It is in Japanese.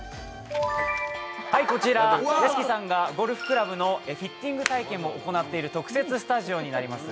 こちら屋敷さんがゴルフクラブのフィッティング体験を行っている特設スタジオになります。